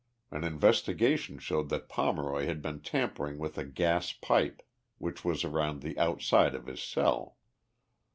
An investigation showed that Pomeroy had been tampering with a gas pipe, which was around the outside of his cell.